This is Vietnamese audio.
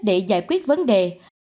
để giải quyết vấn đề